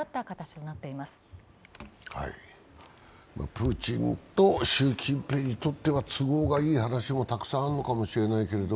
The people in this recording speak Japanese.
プーチンと習近平にとっては都合がいい話もたくさんあるのかもしれないけど、